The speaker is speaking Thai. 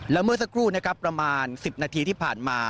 แล้วเมื่อสักครู่นะครับประมาณ๑๐นาทีที่ผ่านมา